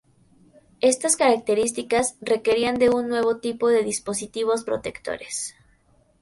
Estas características requerían de un nuevo tipo de dispositivos protectores.